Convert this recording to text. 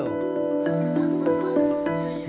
mengelola dan merawat kayu